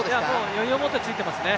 余裕をもってついていますね。